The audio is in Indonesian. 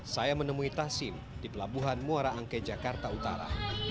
saya menemui tasim di pelabuhan muara angke jakarta utara